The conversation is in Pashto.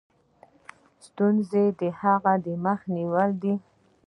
ستونزو د هغه مخه نیولې ده.